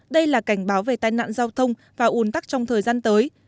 đây là cảnh báo về tai nạn giao thông và ủn tắc trong thời gian tới